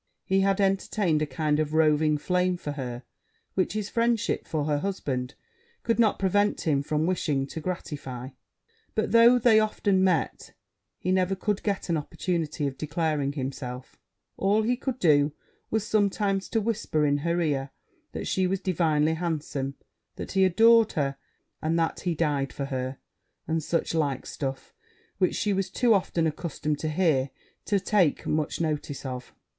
He had entertained a kind of roving flame for her, which his friendship for her husband could not prevent him from wishing to gratify; but, though they often met, he never could get an opportunity of declaring himself: all he could do was sometimes to whisper in her ear that she was divinely handsome that he adored her and that he died for her and such like stuff; which she was too often accustomed to hear to take much notice of.